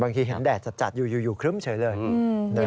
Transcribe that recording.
บางทีเห็นแดดจัดอยู่อยู่ครึ่มเฉยเลย